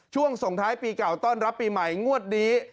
ส่งท้ายปีเก่าต้อนรับปีใหม่งวดนี้